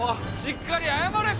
しっかり謝れ！